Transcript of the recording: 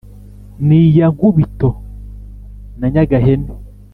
N’ iya Nkubito na Nyagahene